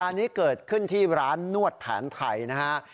อันนี้เกิดขึ้นที่ร้านนวดแผนไทยนะฮะ